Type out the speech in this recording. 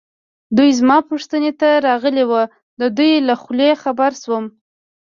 دوی زما پوښتنې ته راغلي وو، د دوی له خولې خبر شوم.